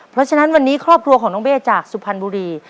เพราะฉะนั้นวันนี้ครอบครัวของน้องเบ้จากสุพรรณบุรี